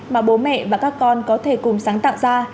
mà bố mẹ và các con có thể cùng sáng tạo ra